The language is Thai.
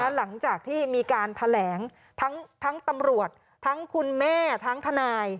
หลังจากที่มีการแถลงทั้งตำรวจทั้งคุณแม่ทั้งทนาย